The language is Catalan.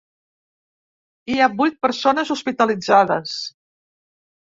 Hi ha vuit persones hospitalitzades.